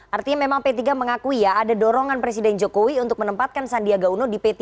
artinya memang p tiga mengakui ya ada dorongan presiden jokowi untuk menempatkan sandiaga uno di p tiga